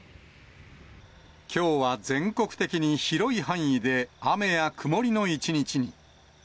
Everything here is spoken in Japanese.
きょうは全国的に広い範囲で雨や曇りの一日に。